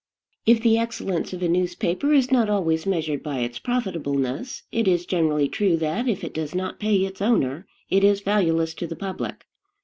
If the excellence of a newspaper is not always measured by its profitableness, it is generally true that, if it does not pay its owner, it is valueless to the public.